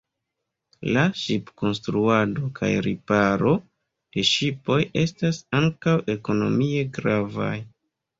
La ŝipkonstruado kaj riparo de ŝipoj estas ankaŭ ekonomie gravaj.